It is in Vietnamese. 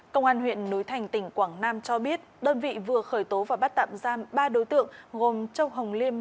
công an huyện núi thành tỉnh quảng nam cho biết đơn vị vừa khởi tố và bắt tạm giam ba đối tượng gồm châu hồng liêm